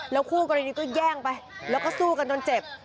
คู่กรณีก็แย่งไปแล้วก็สู้กันจนเจ็บ